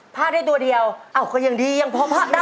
ผ้าได้ตัวเดียวอ้าวก็ยังดียังพอภาคได้